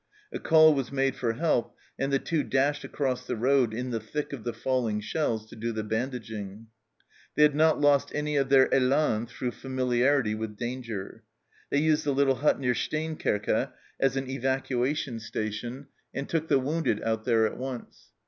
A call was made for help, and the Two dashed across the road in the thick of the falling shells to do the bandaging. They had not lost any of their elan through familiarity with danger. They used the little hut near Steenkerke as an evacuation station, ENTER ROMANCE 249 and took the wounded out there at once.